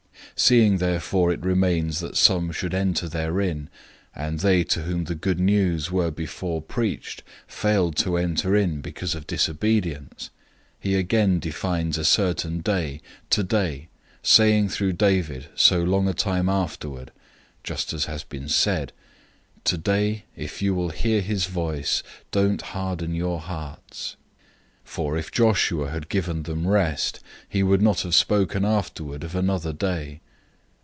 "{Psalm 95:11} 004:006 Seeing therefore it remains that some should enter therein, and they to whom the good news was before preached failed to enter in because of disobedience, 004:007 he again defines a certain day, today, saying through David so long a time afterward (just as has been said), "Today if you will hear his voice, don't harden your hearts."{Psalm 95:7 8} 004:008 For if Joshua had given them rest, he would not have spoken afterward of another day.